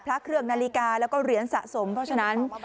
พระเครื่องนาฬิกาแล้วก็เหรียญสะสมเพราะฉะนั้น